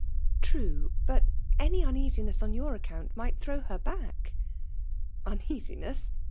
«' True — but any uneasiness on your aocomst might thzow her back/* €< Uneasiness